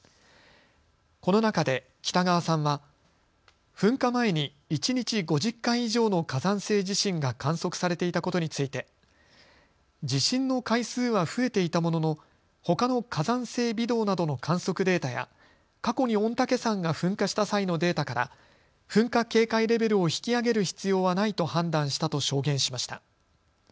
この中で北川さんは噴火前に一日５０回以上の火山性地震が観測されていたことについて地震の回数は増えていたもののほかの火山性微動などの観測データや過去に御嶽山が噴火した際のデータから噴火警戒レベルを引き上げる必要はないと判断したと証言しました。